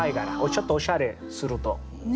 ちょっとおしゃれすると。